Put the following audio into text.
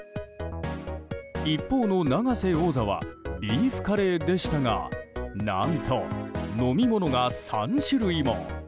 一方の永瀬王座はビーフカレーでしたが何と、飲み物が３種類も。